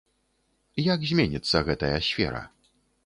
Як зменіцца гэтая сфера?